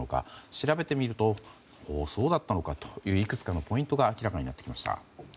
調べてみるとそうだったのかといういくつかのポイントが明らかになってきました。